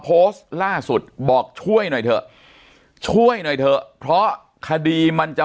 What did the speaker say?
โพสต์ล่าสุดบอกช่วยหน่อยเถอะช่วยหน่อยเถอะเพราะคดีมันจะ